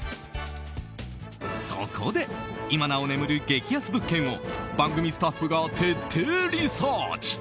そこで、今なお眠る激安物件を番組スタッフが徹底リサーチ。